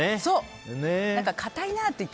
固いなっていって。